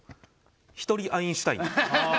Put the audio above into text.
「１人アインシュタイン」。